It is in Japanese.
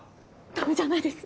ダメじゃないです